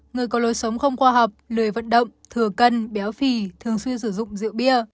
người có lối sống không khoa học lười vận động thừa cân béo phì thường xuyên sử dụng rượu bia